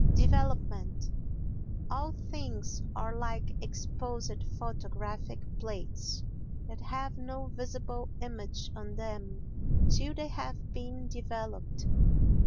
Development All things are like exposed photographic plates that have no visible image on them till they have been developed.